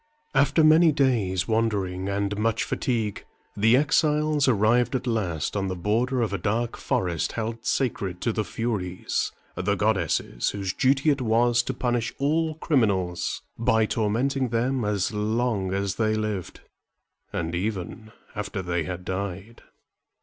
After many days' wandering and much fatigue, the exiles arrived at last on the border of a dark forest held sacred to the Furies, the goddesses whose duty it was to punish all criminals by tormenting them as long as they lived, and even after they had died.